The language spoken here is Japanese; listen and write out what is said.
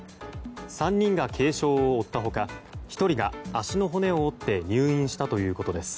３人が軽傷を負った他１人が足の骨を折って入院したということです。